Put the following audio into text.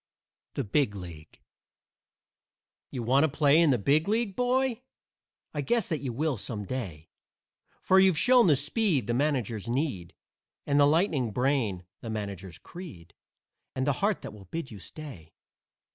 THE BIG LEAGUE You want to play in the Big League, boy? I guess that you will some day, For you've shown the speed the managers need And the lightning brain (the managers' creed), And the heart that will bid you stay.